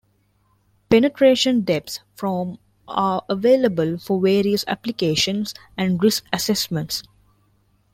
Penetration depths from are available for various applications and risk assessments.